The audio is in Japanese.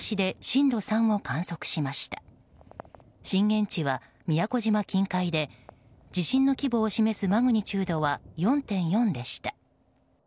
震源地は宮古島近海で地震の規模を示すマグニチュードは４．４でした。